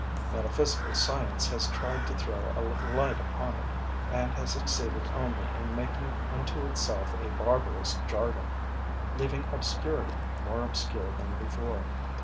Metaphysical science has tried to throw a little light upon it and has succeeded only in making unto itself a barbarous jargon, leaving obscurity more obscure than before.